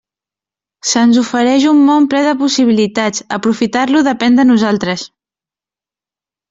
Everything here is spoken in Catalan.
Se'ns ofereix un món ple de possibilitats; aprofitar-lo depèn de nosaltres.